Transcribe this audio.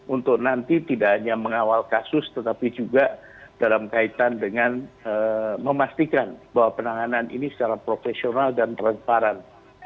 untuk nanti tidak hanya mengawal kasus tetapi juga dalam kaitan dengan memastikan bahwa penanganan ini secara profesional dan transparan